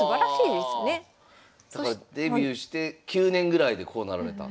デビューして９年ぐらいでこうなられた。